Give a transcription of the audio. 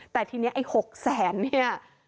แต่ทีนี้ไอ้๖แสนเนี่ย